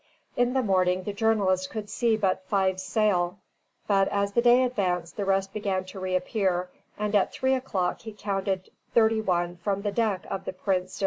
In the morning the journalist could see but five sail; but as the day advanced the rest began to reappear, and at three o'clock he counted thirty one from the deck of the "Prince d'Orange."